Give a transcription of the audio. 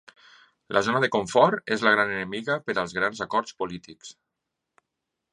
La zona de confort és la gran enemiga per als grans acords polítics.